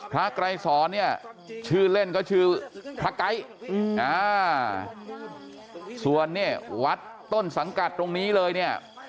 ไกรสอนเนี่ยชื่อเล่นก็ชื่อพระไก๊ส่วนเนี่ยวัดต้นสังกัดตรงนี้เลยเนี่ย